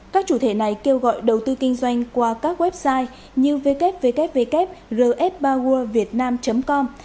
các chủ thể này kêu gọi đầu tư kinh doanh qua các website như www rfpowervietnam com